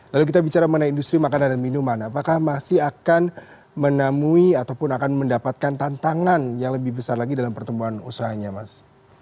lalu kita bicara mengenai industri makanan dan minuman apakah masih akan menemui ataupun akan mendapatkan tantangan yang lebih besar lagi dalam pertumbuhan usahanya mas